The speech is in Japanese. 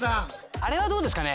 あれはどうですかね？